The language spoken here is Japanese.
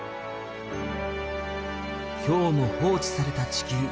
今日も放置された地球。